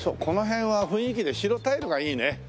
この辺は雰囲気で白タイルがいいね。